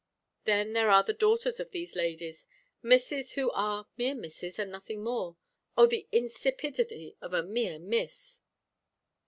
Then there are the daughters of these ladies Misses, who are mere misses, and nothing more. Oh! the insipidity of a mere Miss!